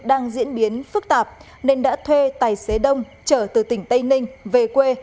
đang diễn biến phức tạp nên đã thuê tài xế đông trở từ tỉnh tây ninh về quê